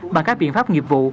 bằng các biện pháp nghiệp vụ